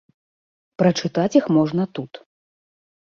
Прачытаць іх можна тут.